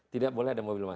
tidak boleh ada mobil masuk